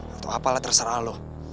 atau apalah terserah lo